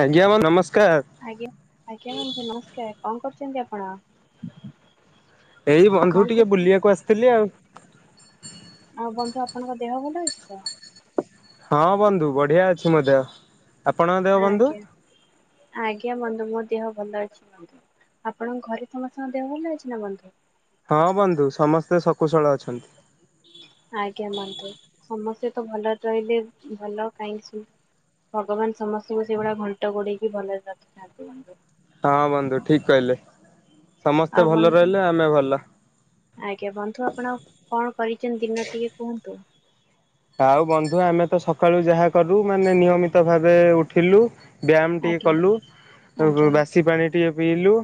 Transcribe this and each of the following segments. ଆଜ୍ଞା ବନ୍ଧୁ ନମସ୍କାର। ଆଜ୍ଞା ଆଜ୍ଞା ବନ୍ଧୁ ନମସ୍କାର କଣ କରୁଛନ୍ତି ଆପ ଆପଣ ଏଇ ବନ୍ଧୁ କଣ ଟିକେ କରୁଛ? ବୁଲିବାକୁ ଆସିଥିଲି ଆଉ ଆଉ ବନ୍ଧୁ ଆପଣଙ୍କ ଦେହ ଭଲଅଛି ତ ହଁ ବନ୍ଧୁ ବଢିଆ ଅଛି ମଧ୍ୟ ଆପଣଙ୍କ ଦେଓ ବନ୍ଧୁ ଆଜ୍ଞା। ଆଜ୍ଞା ବନ୍ଧୁ ମୋ ଦେହ ଭଲ ଅଛି ବନ୍ଧୁ ଆପଣଙ୍କ ଘରେ ସମସ୍ତଙ୍କ ଦେହ ଭଲ ଅଛି ନା ବନ୍ଧୁ ହଁ ବନ୍ଧୁ ସମସ୍ତେ ଶକୁଶଳ ଅଛନ୍ତି ଆଜ୍ଞା ବନ୍ଧୁ ସମସ୍ତେ ତ ଭଲରେ ରହିଲେ ଭଲ କାହିଁକି ଭଗବାନ ସମସ୍ତଙ୍କୁ ସେଇଭଳିଆ ଘଣ୍ଟ ଗୋଡେଇକି ଭଲରେ ରଖିଥାନ୍ତି ବନ୍ଧୁ ହଁ ବନ୍ଧୁ ଠିକ କହିଲେ ସମସ୍ତେ ଆଉ ଭଲ ବନ୍ଧୁ ରହିଲେ ଆମେ ଭଲ ଆଜ୍ଞା ବନ୍ଧୁ ଆପଣ କଣ କରିଛନ୍ତି ଦିନ ଟିକେ କୁହନ୍ତୁ ଆଉ ବନ୍ଧୁ ଆମେ ତ ସକାଳୁ ଯାହା କରଲୁ ମାନେ ନିୟମିତ ଭାବେ ଉଠିଲୁ ବ୍ୟାୟାମ ଟିକେ ଆଜ୍ଞା କଲୁ ଆଜ୍ଞା ବାସି ପାଣି ଟିକେ ପିଇଲୁ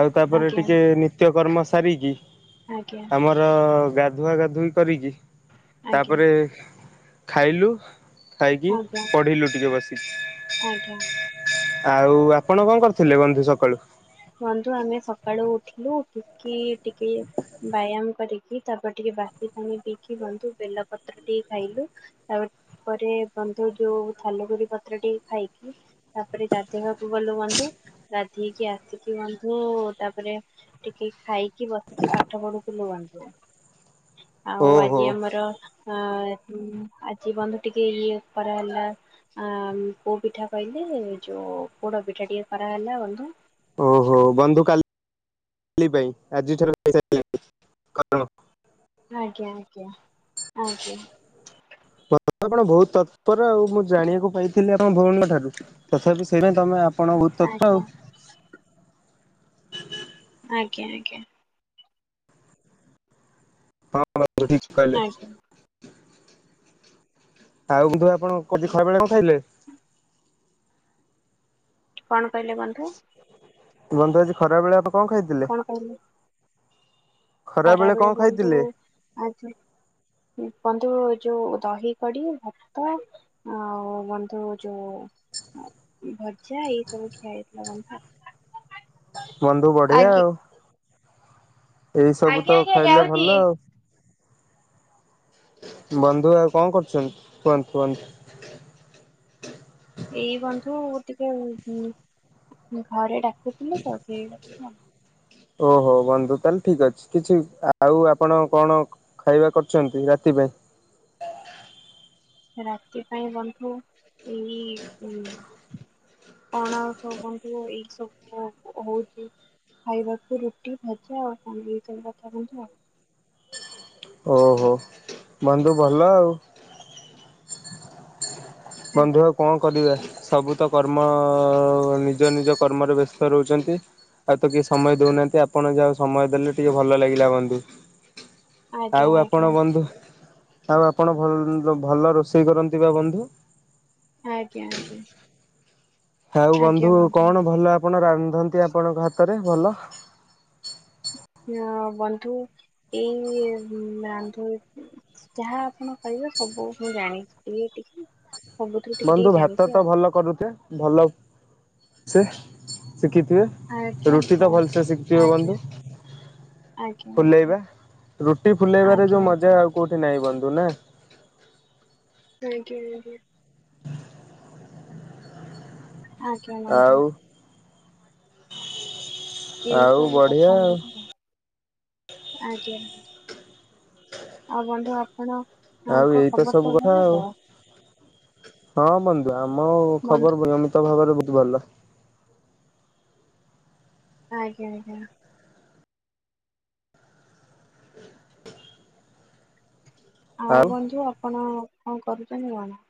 ଆଉ ତାପରେ ଆଜ୍ଞା ଆଜ୍ଞା ଟିକେ ନିତ୍ୟ କର୍ମ ସାର କି ଆଜ୍ଞା ଆମର ଗାଧୁଆ ଗାଧୋଇ କରିକି ଆଜ୍ଞା ତାପରେ ଖାଇଲୁ ଖାଇକି ଆଜ୍ଞା। ପଢିଲୁ ଟିକେ ଆଜ୍ଞା ବସିକି ଆଉ ଆପଣ କଣ କରିଥିଲେ ବନ୍ଧୁ ସକାଳୁ ବନ୍ଧୁ ଆମେ ସକାଳୁ ଉଠିଲୁ ଉଠିକି ଟିକେ ବ୍ୟାୟାମ କରିକି ତାପରେ ଟିକେ ବାସି ପାଣି ପିଇକି ବନ୍ଧୁ ବେଲ ପତ୍ର ଟିକେ ଖାଇଲୁ ତା ପରେରେ ବନ୍ଧୁ ଯୋଉ ଥାଲଗରି ପତ୍ର ଟିକେ ଖାଇକି ତାପରେ ଗାଧେଇବାକୁ ଗଲୁ ବନ୍ଧୁ ଗାଧେଇକି ଆସ ତିକି ବନ୍ଧୁ ତାପରେ ଟିକେ ଖାଇକି ବସିଛି ପାଠ ପଢୁ ିଲ ଭଣ୍ଡ ଆଉ ଓହୋ ଆଜି ଆମର ଅ ହୁଁ ଆଜି ବନ୍ଧୁ ଟିକେ ଇଏ କରାହେଲା ପୋ ପିଠା କହିଲେ ଯୋଉ ପୋଅଡ ପିଠା ଟିକେ କରାହେଲା ବନ୍ଧୁ ହଉ ବନ୍ଧୁ କାଲି ଆଜିଠାରୁ କଣ ଆଜ୍ଞା ଆଜ୍ଞା ଆଞା ଆପଣ ବହୁତ ତତ୍ପର ଆଉ ମୁଁ ଜାଣିବାକୁ ପାଇଥିଲି ଆପଣ ଭଉଣୀଙ୍କ ଠାରୁ ତଥାପି ସେଇପାଇ ତମେ କଣ ତ ତ ଆଉ ଆଜ୍ଞା ଆଜ୍ଞା ଆଜ୍ଞା ହଁ ଠିକ କହଲେ ଆଜ୍ଞା ଆଉ ବଧହ ଆପଣ କଠି ଖାଇ ବେଳେ କଣ ଖାଇଲେ କଣ କହିଲେ ବନ୍ଧୁ ବନ୍ଧୁ ଆଜି ଖରା ବେଆ କଣ ଖାଇଥିଲେ ଖରାବେଳେ ଖରାବେେଳେ କଣ ବନ୍ଧୁ ଖାଇଥିଲେ? ଆଜି ବନ୍ଧୁ ଯୋଉ ଦହି କଡି ଭାତ ଆଉ ବନ୍ଧୁ ଯୋଉ ଭଜା ଏଇ ସବୁ ଖିଆ ଯାଇଥିଲା ବନ୍ଧୁ ବନ୍ଧୁ ବଢିଆ ଆଗି ଆଉ ଏଇ ସବୁ ଆଜ୍ଞା ତ ଆଜ୍ଞା ଖାଇଲେ ଯାଉଛି। ଭଲ ଆଉ ବନ୍ଧୁ ଆଉ କଣ କରୁଛନ୍ତି କୁହନ୍ତୁ କୁହନ୍ତୁ ଏଇ ବନ୍ଧୁ ଟିକେ ଘରେ ଡାକୁଥିଲେ ତ ସେ ଓହୋ ବନ୍ଧୁ ତାହଲେ ଠିକ ଅଛି କିଛି ଆଉ ଆପଣ କଣ ଖାଇବା କରିୁଛନ୍ତି ରାତି ପାଇଁ ରାତି ପାଇଁ ବନ୍ଧୁ ଏଇ ଉ କଣା ଆ ସବୁ ବନ୍ଧୁ ଏଇ ସବୁ ହଉଛି ଖାଇବାକୁ ରୁଟି ଭଜା ଆଉ କଣ ଏଇ ସବୁ କଥା ବଧୁ ଆଉ ଓହୋ ବନ୍ଧୁ ଭଲ ଆଉ ବନ୍ଧୁ ଆ କଣ କରିବେ ସବୁ ତ କର୍ମ ନିଜ ନିଜ କର୍ମରେ ବ୍ୟସ୍ତ ରହୁଛନ୍ତି ଆଉ ତ କିଏ ସମୟ ଦେଉନାହାନ୍ତି ଆପଣ ଯାହା ସମୟ ଦେଲେ ଟିକିଏ ଭଲ ଲାଗିଲା ବନ୍ଧୁ ଆଜ୍ଞା ଆଜ୍ଞା ଆଉ ଆପଣ ଆଜ୍ଞା ବନ୍ଧୁ ଆଉ ଆପଣଲ ଭଲ ରୋଷେଇ କରନ୍ତି ବା ବନ୍ଧୁ ଆଜ୍ଞା ଆଜ୍ଞା ଆଉ ବନ୍ଧୁ କଣ ଭଲ ଆପଣ ରାନ୍ଧନ୍ତି ଆପଣଙ୍କ ହାତରେ ଭଲ ବନ୍ଧୁ ଏଇ ରାନ୍ଧୁ ଯାହା ଆପଣ କହିବେ ସବୁ ମୁଁ ଜାଣିଛି ଟିକେ ଟିକେ ସବୁଥିରୁ ଟିକେ ବନ୍ଧୁ ଟିକେ ଭାତ ଜାଣିଛି ତ ଆଉ। ଭଲ କରୁଚେ ଭଲ ସେ ଶିଖିଥିବେ ଆଜ୍ଞା ରୁଟି ତ ହଁ ଭଲସେ ଶିଖିଥିବେ ଆଜ୍ଞା ବନ୍ଧୁ ଆଜ୍ଞା ଆଜ୍ଞା। ଫୁଲେଇବା ରୁଟି ଫୁଲେଇବାରେ ଆଜ୍ଞା ଯେଉଁ ଆଜ୍ଞା ମଜା ଆଉ କେଉଁଠି ନାହିଁ ବନ୍ଧୁ ଦନ ଆଜ୍ଞା ଆଜ୍ଞା ଆଜ୍ଞା ଆଉ [unintelligible] ଏଇ ଆଉ ସବୁ ବଢିଆ କଥା ଆଉ ମିଥ ଆଜ୍ଞା ଆଉ ବନ୍ଧୁ ଆଉ କଣଙ୍କ ଏଇତ ଖବର ସବୁ କଥା ଭଲ ଆଉ। ତ ହଁ ବନ୍ଧୁ ଆମ ବନ୍ଧୁ ଖବର ନିୟମିତ ଭାବରେ ଭଲ ଆଜ୍ଞା ଆଜ୍ଞା ଆଉ ବନ୍ଧୁ ଆପଣ କଣ କରୁଛନ୍ତିନି କଣ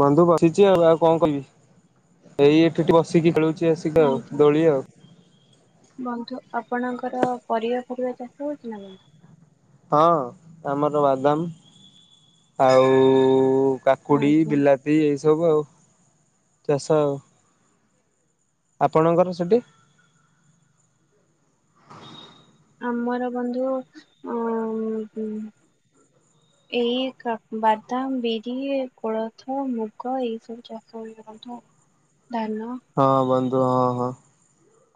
ବନ୍ଧୁ ବସିଛି ଆଉ ଆଉ କଣ କହିବି ଏଇ ଏଠିଠି ବସିକି ଖେଳୁଛି କି ଆସିକା ଆଉ ଆଜ୍ଞା ଦୋଳି ଆଉ। ବନ୍ଧୁ ଆପଣଙ୍କର ପରିବା ଫରିବା ଚାଷ ହଉଛି ନା ବନ୍ଧୁ। ହଁ ଆମର ବାଦାମ ଆଉ କାକୁଡି ଆଜ୍ଞା ବିଲାତି ଏ ସବୁ ଆଉ ଚାଷ ଆଉ। ଆପଣଙ୍କର ସେଠି ଆମର ବନ୍ଧୁ ଉ ଏଇ ବାଦାମ ବିରି କୋଳଥ ମୁଗ ଏଇ ସବୁ ଚାଷ ହୁଏ ବନ୍ଧୁ ଆଉ। ଧାନ। ହଁ ବନ୍ଧୁ ହଁ ହଁ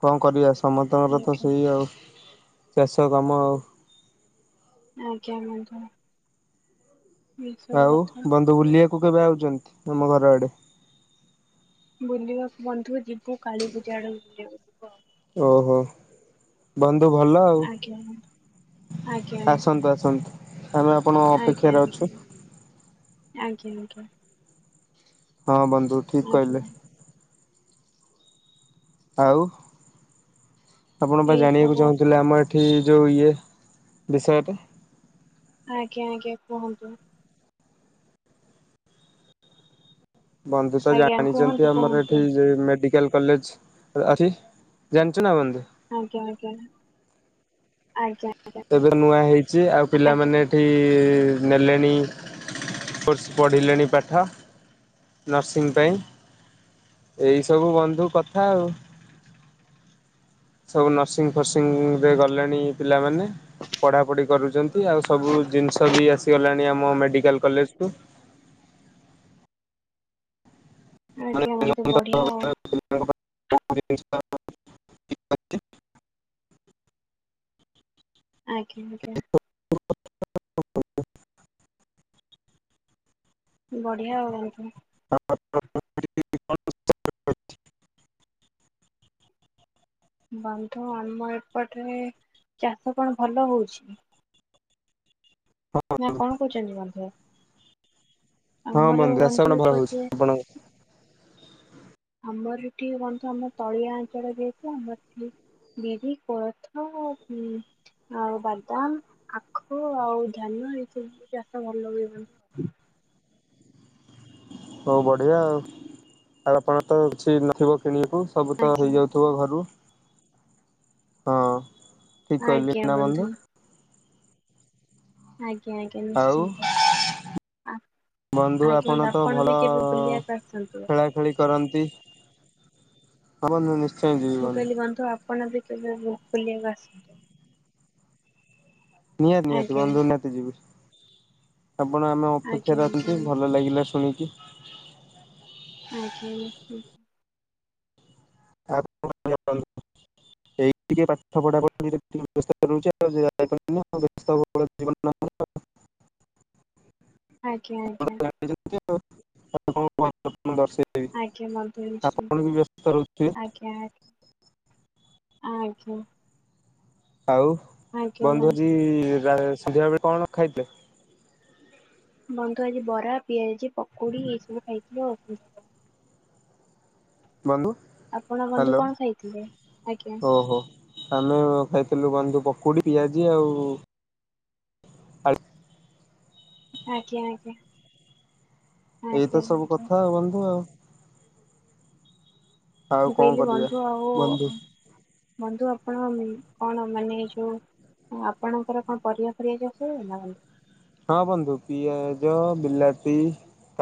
କଣ କରି ଆସେ? ସମସ୍ତଙ୍କର ତ ଆଜ୍ଞା ସେଇ ଆଉ ଚାଷ କାମ ଆଉ। ଆଜ୍ଞା ବନ୍ଧୁ। ଏଇ ସବୁ ଆଉ କଥା ବନ୍ଧୁ ବୁଲିିବାକୁ କୁ କେବେ ଆଉଛନ୍ତି ଆମ ଘର ଆଡ଼େ? ବୁଲିବାକୁ ବନ୍ଧୁ ଯିବି। ମୁଁ କାଳୀ ପୂଜା ବେଳକୁ ଯିବି। ହ ଓହୋ ବନ୍ଦ। ତୁ ଭଲ ଆଉ ଆଜ୍ଞା ବନ୍ଧୁ ଆଜ୍ଞା ଆସନ୍ତୁ ଆସନ୍ତୁ। ଆମେ ଆପଣ ଙ୍କ ଆଜ୍ଞା ଆଜ୍ଞା ଅପେକ୍ଷାରେ ଅଛୁ। ଆଜ୍ଞା ଆଜ୍ଞା ଆଜ୍ଞା। ହଁ ବନ୍ଧୁ ଠିକ କହିଲେ। ଆଜ୍ଞା। ଆଉ ଆପଣ ବା ଏଇ ଜାଣିବାକୁ ସବୁ କଥା ଚାହୁଁଥିଲେ ଆମର ଏଠି ଯୁ ଇଏ ବିଷୟରେ। ଆଜ୍ଞା ଆଜ୍ଞା କୁହନ୍ତୁ। ବନ୍ଧୁ ତ ଆଜ୍ଞା ଜାଣିଛନ୍ତି କୁହନ୍ତୁ ଆମର କୁହନ୍ତୁ ଏଠି ଇ ମେଡିକାଲ। କଲେଜ ଆ ଆରେ ଜାଣିଛ ନା ବନ୍ଧୁ। ଆଜ୍ଞା ଆଜ୍ଞା ଆଜ୍ଞା। ଆଜ୍ଞା। ଏବେ ନୂଆ ହେଇଛି ଆଉ ଆଜ୍ଞା ପିଲାମାନେ ଏଠି ନେଲେଣି କୋର୍ସ ପଢ଼ିଲେଣି ପାଠ ନର୍ସିଂ ପାଇଁ ଏଇସବୁ ବନ୍ଧୁ କଥା ଆଉ ସବୁ ନର୍ସିଂ ଫର୍ସିଂରେ ଗଲେଣି ପିଲାମାନେ। ପଢାପଢି କରୁଛନ୍ତି ଆଉ ସବୁ ଜିନିଷ ବି ଆସିଗଲାଣି ଆମ ମେଡିକାଲ କଲେଜକୁୁ। ଆଜ୍ଞା ବନ୍ଧୁ ବଢିଆ ଆଉ। ଆଜ୍ଞା ଆଜ୍ଞା। ବଢିଆ ହଉନ୍ତୁ ଆ ବନ୍ଧୁ ଆମ ଏପଟରେ ଚାଷ କଣ ଭଲ ହଉଛି ନା କଣ କହୁଛନ୍ତିି ବାଧ ହଁ ବନ୍ଦୁ ଆସ କଣ ଭଲ ହଉଛି ଆପଣଙ୍କ ଆମ୍ମର ଏଠି ବନ୍ଧୁ ଆମ ତଳିଆ ଅଞ୍ଚଳ ଯେହେତୁ ଆମର ଏଠି ବିରି କୋଳଥ ଆଉ ବାଦାମ ଆଖ ଆଉ ଧାନ ଏଇ ସବୁ ଚାଷ ଭଲ ହୁଏ ବୁ ଆଉ ହଉ ବଢିଆ ଆଉ ଆଉ ଆପଣ ତ କିଛି ନଥିବ କିଣି ହଁ ସବୁ ତ ଆଜ୍ଞା ହେଇଯାଉଥିବ ଘରୁ ହଁ ଠିକ କହିଲି ନା ବନ୍ଧୁ ଆଜ୍ଞା ଆଜ୍ଞା ଆଜ୍ଞା ଆଉ ନିଶ୍ଚିନ୍ତ ବନ୍ଧୁ ଆଜ୍ଞା ତ ଆପଣ ଭଲ ବି କେବେ ବୁଲିବାକୁ ଆସନ୍ତୁ ଆ ହ ନିଶ ମୁଁ କାଇଲୀ ବନ୍ଧୁ ଆପଣ ବି କେବେ ବହୁ ଖଲିବାକୁ ଆସନ୍ତୁ ନିଆ ନିହାତି ଆଜ୍ଞା ବନ୍ଧୁ ନିତିେ ଯିବି ଆପଣ ଆମେ ଆଜ୍ଞା ଅପେକ୍ଷାରେ ଆଜ୍ଞା ଅଛନ୍ତି ଭଲ ନିଶ୍ଚୟ ଲାଗିଲା ଶୁଣିକି ଆଜ୍ଞ ଏଇ ଟିକେ ପାଠ ପଢା ଆବ ଆଜ୍ଞା ଆଜ୍ଞା [unintelligible] ମୁ ଦର୍ଶେଇଦେବି ଆଜ୍ଞା ବନ୍ଧୁ ନିଶ୍ଚୟ ଆପଣ ବ୍ୟସ୍ତ ରହୁଥ ଆଜ୍ଞା ଆଜ୍ଞା ଆଜ୍ଞା ଆଉ ଆଜ୍ଞା ବନ୍ଧୁଜି ବନ୍ଧୁ। ସନ୍ଧ୍ୟା ଲବେଳେ କଣ ଖାଇଦେ ବନ୍ଧୁ ଆଜି ବରା ପିଆଜ ପକୁୋଡ଼ି ଏସବୁ ଖାଇଥିଲେଔଧ ବନ୍ଧୁ ଆପଣ ବନ୍ଧୁ ହ୍ୟାଲୋ କଣ ଖାଇଥିଲେ ଆଜ୍ଞା ଓହୋ ଆମେ ଖାଇଥିଲୁ ବନ୍ଧୁ ପକୁଡି ପିଆଜି ଆଉ ଆ ଆଜ୍ଞା ଆଜ୍ଞା ଆଜ୍ଞା ଏଇତ ସବୁ ବନ୍ଧୁ କଥା ଆଉ ବନ୍ଧୁ ଆଉ ଆଉ ମୁଁ କଣ କଇଲି କରିବା ବନ୍ଧୁ ଆଉ ବନ୍ଧୁ ବନ୍ଧୁ ଆପଣ କଣ ମାନେ ଯୋଉ ଆପଣଙ୍କର କଣ ପରିବା ଫସ ହଁ ବନ୍ଧୁ ପିଆଜ ବିଲାତି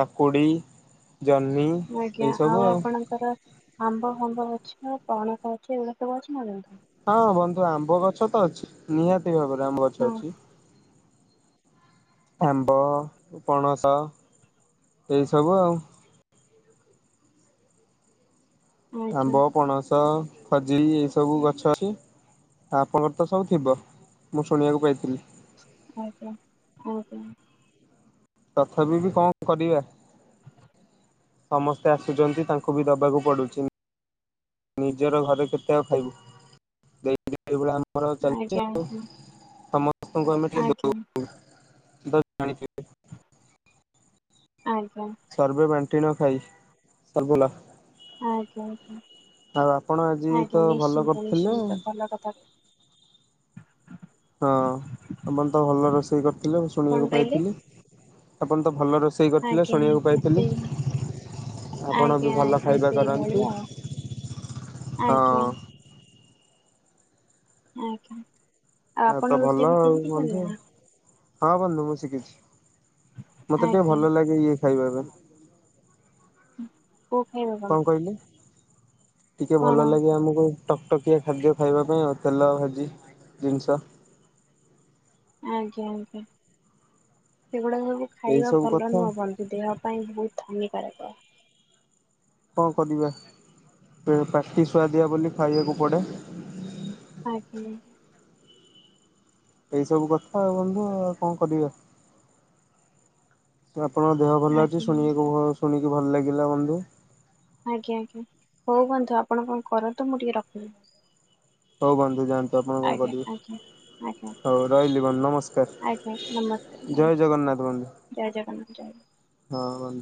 କାକୁଡ଼ି ଜହ୍ନି ଆଜ୍ଞା ଏସବୁ ଆଉ ଆପଣଙ୍କର ଆମ୍ବ ଫମ୍ବ ଗଛ ପଣସ ଗଛ ଏଗୁଡ଼ା ସବୁ ଅଛି ନା ନାଇଁ? ହଁ ବନ୍ଧୁ ଆମ୍ବ ଗଛ ତ ଅଛି ନିହାତି ଭାବରେ। ଆମ୍ବ ଗଛ ହଁ ଅଛି। ଆମ୍ବ ପଣସ ଏଇ ସବୁ ଆଉ ଆଜ୍ଞା ଆମ୍ବ ପଣସ ଖଜୁର ଏଇ ସବୁ ଗଛ ଅଛି ଆପଣଙ୍କର ତ ସବୁ ଥିବ ମୁଁ ଶୁଣିବାକୁ ପାଇଥିଲି। ଆଜ୍ଞା ଆଜ୍ଞା। ତଥାପି ବି କଣ କରିବା। [inaudible] ସମସ୍ତେ ଆସୁଛନ୍ତି ତାଙ୍କୁ ବି ଦବାକୁ ପଡୁଛି। ନିଜର ଘରେ କେତେ ଆଉ ଖାଇବୁ [unintelligible] ଆମେ ର ଚାଲିଛି ଆଜ୍ଞା ଆଜ୍ଞା। ଆଉ ତମ ଆଜ୍ଞା [unintelligible] [unintelligible] ଆଜ୍ଞା ସର୍ଭେ [unintelligible] ଆଜ୍ଞା ଆଜ୍ଞା। ଆଉ ଆପଣ ଆଜି ଆଜ୍ଞା ତ ଭଲ ନିଶ୍ଚିନ୍ତ କରିଥିଲେ ନିଶ୍ଚିନ୍ତ ଭଲ କଥା ହଁ ଆପ ତ ଭଲ ରୋଷେଇ କରିଥିଲେ ମୁ କଣ ଶୁଣିବାକୁ କହିଲେ? ପାଇଥିଲି। ଆପଣ ତ ଭଲ ରୋଷେଇ କରିଥିଲେ ଆଜ୍ଞା ଶୁଣିବାକୁ ଆଜ୍ଞା ପାଇଥିଲି ସେଇ ଆପଣ ଆଜ୍ଞା ବି ଭଲ ଆଜ୍ଞା ଖାଇବା ସେଇଭଳି କରନ୍ତି ଆଉ ଆଜ୍ଞା ହଁ। ଆଜ୍ଞା। ଆଉ ଏ ଆପଣ ତ ରୋଷେଇ ଭଲ ଫୋଷେଇ ଆଉ ଶିଖିଛନ୍ତି ବନ୍ଧୁ। ନା? ହଁ ବନ୍ଧୁ ମୁଁ ଶିଖିଛି। ମତେ ଟିକେ ଆଜ୍ଞା ଭଲ ଲାଗେ ଇଏ ଖାଇପାରିବେ। କୋଉଁ ଖାଇବା [unintelligible] ଟିକେ କଣ ଭଲ ଲାଗେ ଆମକୁ ଟକଟକିଆ ଖାଦ୍ୟ ଖାଇବା ପାଇଁ ଆଉ ତେଲ ଭାଜି ଜିନିଷ ଆଜ୍ଞା ଆଜ୍ଞା। ସେଗୁଡ଼ା ସବୁ ଏଇ ଖାଇବା ସବୁ ଭଲ କଥା ନୁହେଁ ବନ୍ଧୁ ଦେହ ପାଇଁ ବହୁତ ହାନି। [unintelligible] କଣ କରିବା ପ୍ରାକ୍ଟିସ୍ ସୁଆଦିଆ ବୋଲି ଖାଇବାକୁ ପଡ଼େ। ଆଜ୍ଞା। ଏଇ ସବୁ କଥା ଆଉ ବନ୍ଧୁ ଆଉ କଣ କରିବା। [unintelligible] କି ଭଲ ଆଜ୍ଞା ଆଜ୍ଞା ଲାଗିଲା ବନ୍ଧୁ ଆଜ୍ଞା ଆଜ୍ଞା ହଉ ବୁନ୍ଧୁ ଆପଣ କଣ କରନ୍ତୁ ମୁଁ ଟିକେ ରଖଦିନ୍ତୁ ହଉ ବନ୍ୁ ଜା ଆପଣ କଣ କରିବେ ଆଜ୍ଞା ଆଜ୍ଞା ହଉ ରହିଲି ବନ୍ଧ ଆଜ୍ଞା ନମସ୍କାର ନମସ୍କାର ଜୟ ଜଗନ୍ନାଥ ବନ୍ଧୁ ଜୟ ଜଗନ୍ନାଥ ଜୟ ହଁ